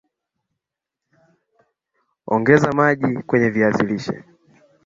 ongeza maji kwenye viazi lishe